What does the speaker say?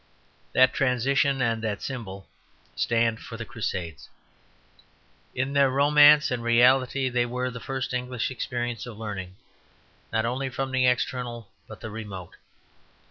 That transition and that symbol stand for the Crusades. In their romance and reality they were the first English experience of learning, not only from the external, but the remote.